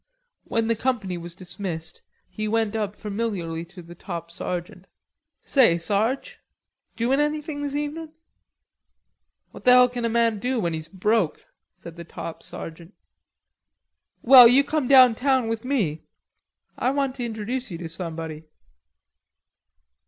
When the company was dismissed, he went up familiarly to the top sergeant: "Say, Sarge, doin' anything this evenin'?" "What the hell can a man do when he's broke?" said the top sergeant. "Well, you come down town with me. I want to introjuce you to somebody."